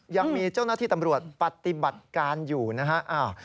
ยังมีเจ้าหน้าที่ตำรวจปฏิบัติการอยู่นะฮะ